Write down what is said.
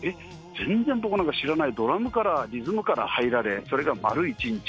全然僕なんか知らない、ドラムから、リズムから入られ、それが丸一日。